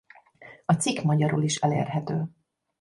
A cikk magyarul is elérhető.